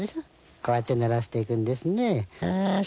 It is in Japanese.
こうやってならしていくんですね。